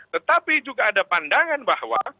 tetapi juga ada pandangan bahwa